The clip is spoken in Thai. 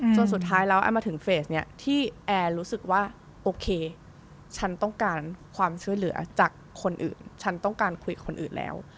สุดท้ายแล้วแอนมาถึงเฟสเนี่ยที่แอร์รู้สึกว่าโอเคฉันต้องการความช่วยเหลือจากคนอื่นฉันต้องการคุยคนอื่นแล้ว